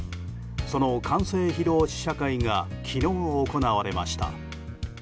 その完成披露試写会が昨日行われました。